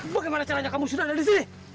bagaimana caranya kamu sudah ada disini